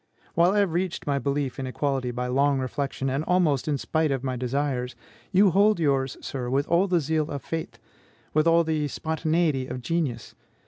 While I have reached my belief in equality by long reflection, and almost in spite of my desires, you hold yours, sir, with all the zeal of faith, with all the spontaneity of genius.